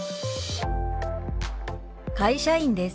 「会社員です」。